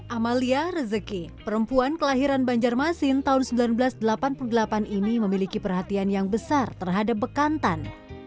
amalia rezeki perempuan kelahiran banjarmasin tahun seribu sembilan ratus delapan puluh delapan ini memiliki perhatian yang besar terhadap bekantan